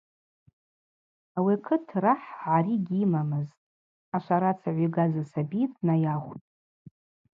Ауи акыт рахӏ гӏари гьйымамызтӏ, ашварацыгӏв йгаз асаби днайахвтӏ.